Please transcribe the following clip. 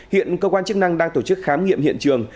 hiện cơ quan chức năng đang tổ chức khám nghiệm hiện trường